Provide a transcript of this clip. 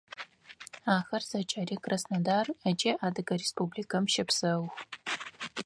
Ахэр зэкӏэри Краснодар ыкӏи Адыгэ Республикэм щэпсэух.